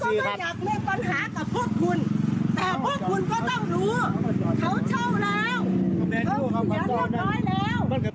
ฉันถามแบบนี้ถ้าคนไม่อยากมีปัญหาคุณไปจอดฝั่งนู้นเลย